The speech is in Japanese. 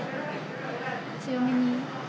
強めに。